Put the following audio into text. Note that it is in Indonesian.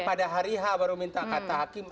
pada hari h baru minta kata hakim